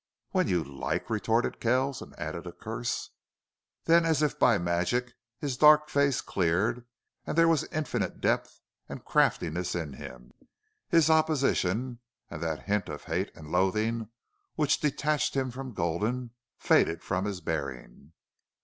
"When you like!" retorted Kells, and added a curse. Then as if by magic his dark face cleared and there was infinite depth and craftiness in him. His opposition, and that hint of hate and loathing which detached him from Gulden, faded from his bearing.